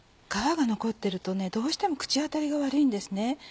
皮が残ってるとどうしても口当たりが悪いんですね。